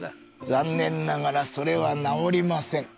残念ながらそれは治りません。